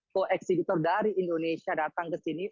koeksibitor dari indonesia datang ke sini